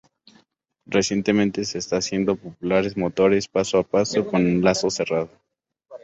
Recientemente se están haciendo populares motores paso a paso con lazo cerrado.